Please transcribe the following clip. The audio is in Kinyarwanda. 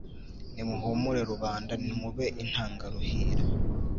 Nimuhumure Rubanda ntimube intangaruhira